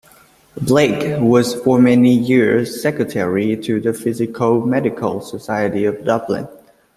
Blake was for many years Secretary to the Physico-Medical Society of Dublin.